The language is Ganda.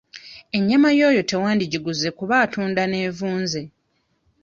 Ennyama y'oyo tewandigiguze kuba atunda n'evunze.